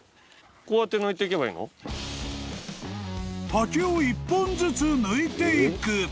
［竹を１本ずつ抜いていく］